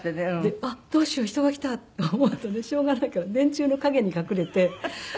あっどうしよう人が来たって思うとねしょうがないから電柱の陰に隠れて。